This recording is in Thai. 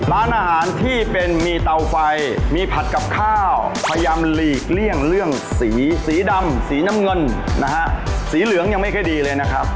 ร้านอาหารที่เป็นมีเตาไฟมีผัดกับข้าวพยายามหลีกเลี่ยงเรื่องสีสีดำสีน้ำเงินนะฮะสีเหลืองยังไม่ค่อยดีเลยนะครับ